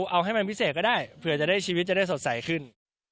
เอาให้มันพิเศษก็ได้เผื่อจะได้ชีวิตจะได้สดใสขึ้น